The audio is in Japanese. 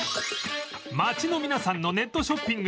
街の皆さんのネットショッピング